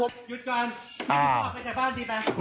หยุดก่อนมีกฎหกลายหลายบ้านดีป่ะ